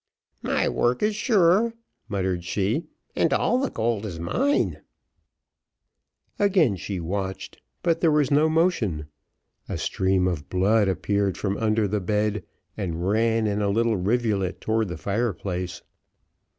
"My work is sure," muttered she, "and all the gold is mine." Again she watched, but there was no motion a stream of blood appeared from under the bed, and ran in a little rivulet towards the fire place.